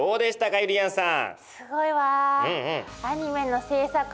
ゆりやんさん！